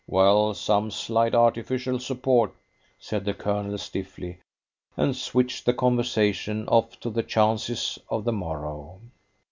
"Well, some slight artificial support," said the Colonel stiffly, and switched the conversation off to the chances of the morrow.